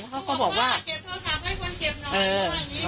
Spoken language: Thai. เขาก็บอกว่าเก็บโทรศัพท์ให้คนเก็บนอน